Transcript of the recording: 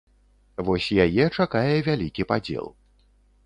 Вось яе чакае вялікі падзел.